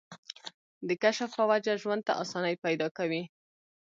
د کشف پۀ وجه ژوند ته اسانۍ پېدا کوي